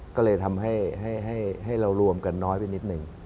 ก็เลยทำให้เรารวมกันน้อยไปนิดนึง